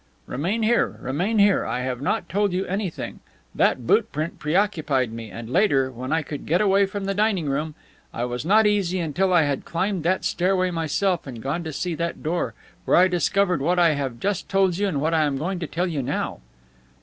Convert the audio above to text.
"Remain here. Remain here. I have not told you anything. That boot print preoccupied me, and later, when I could get away from the dining room, I was not easy until I had climbed that stairway myself and gone to see that door, where I discovered what I have just told you and what I am going to tell you now."